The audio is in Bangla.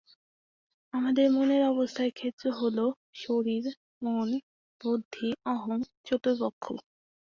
আমাদের মনের অবস্থার ক্ষেত্র হল শরীর, মন, বুদ্ধি ও অহং, চতুর্পক্ষ।